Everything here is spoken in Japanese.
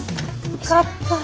よかったぁ。